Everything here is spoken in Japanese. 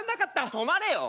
止まれよ。